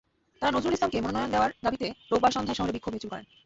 তাঁরা নজরুল ইসলামকে মনোনয়ন দেওয়ার দাবিতে রোববার সন্ধ্যায় শহরে বিক্ষোভ মিছিল করেন।